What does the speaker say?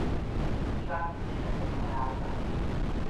I va complir la seva paraula?